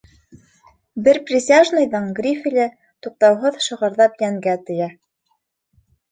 Бер присяжныйҙың грифеле туҡтауһыҙ шығырҙап йәнгә тейә.